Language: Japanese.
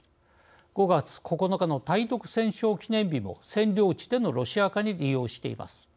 ５月９日の対独戦勝記念日も占領地でのロシア化に利用しています。